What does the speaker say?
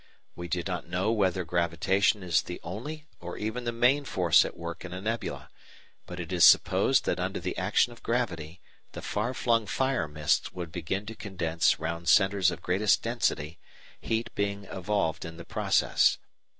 We do not know whether gravitation is the only or even the main force at work in a nebula, but it is supposed that under the action of gravity the far flung "fire mists" would begin to condense round centres of greatest density, heat being evolved in the process.